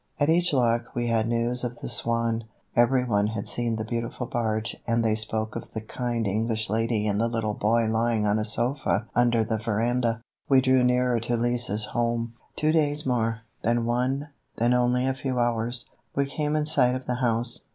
At each lock we had news of the Swan; every one had seen the beautiful barge and they spoke of the kind English lady and the little boy lying on a sofa under the veranda. We drew nearer to Lise's home, two more days, then one, then only a few hours. We came in sight of the house.